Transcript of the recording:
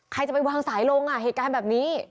ใครจะไปวางสายลงอ่ะเหตุการณ์แบบนี้